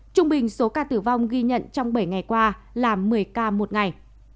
trung bình số ca tử vong ghi nhận trong bảy ngày qua là một mươi ca một ngày